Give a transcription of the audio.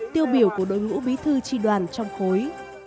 tiêu biểu của đội ngũ bí thư tri đoàn trong khối